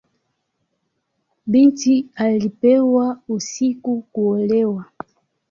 Binti alipelekwa usiku kuolewa.